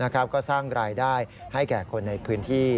ก็สร้างรายได้ให้แก่คนในพื้นที่